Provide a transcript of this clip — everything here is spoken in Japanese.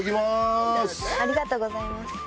ありがとうございます。